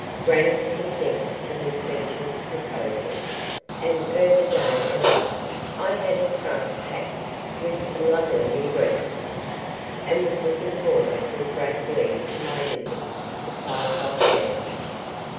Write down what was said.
Grannie consented to Miss Beecham's proposal, and ere the day arrived I had a trunk packed with some lovely new dresses, and was looking forward with great glee to my visit to Five Bob Downs.